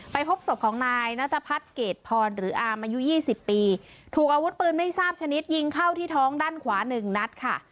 พบศพของนายนัทพัฒน์เกรดพรหรืออามอายุ๒๐ปีถูกอาวุธปืนไม่ทราบชนิดยิงเข้าที่ท้องด้านขวาหนึ่งนัดค่ะ